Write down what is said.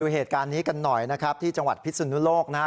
เหตุการณ์นี้กันหน่อยนะครับที่จังหวัดพิสุนุโลกนะฮะ